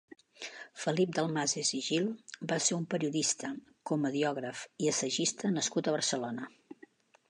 Felip Dalmases i Gil va ser un periodista, comediògraf i assagista nascut a Barcelona.